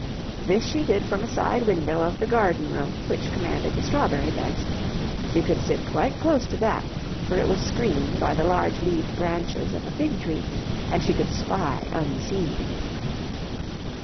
This she did from a side window of the garden room which commanded the strawberry beds; she could sit quite close to that, for it was screened by the large leaved branches of a fig tree and she could spy unseen.